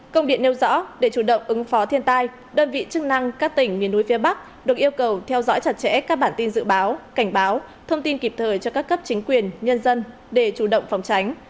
công điện nêu rõ để chủ động ứng phó thiên tai đơn vị chức năng các tỉnh miền núi phía bắc được yêu cầu theo dõi chặt chẽ các bản tin dự báo cảnh báo thông tin kịp thời cho các cấp chính quyền nhân dân để chủ động phòng tránh